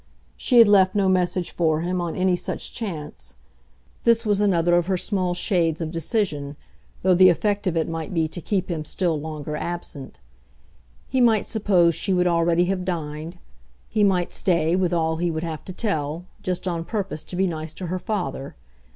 She had left no message for him on any such chance; this was another of her small shades of decision, though the effect of it might be to keep him still longer absent. He might suppose she would already have dined; he might stay, with all he would have to tell, just on purpose to be nice to her father.